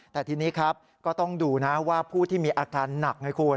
แต่ทีนี้ครับก็ต้องดูนะว่าผู้ที่มีอาการหนักไงคุณ